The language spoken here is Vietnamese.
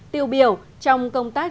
tiêu biểu trong công tác